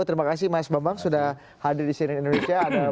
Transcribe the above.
terima kasih mas bambang sudah hadir di cnn indonesia